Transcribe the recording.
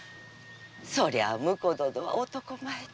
そりゃ婿殿は男前だ。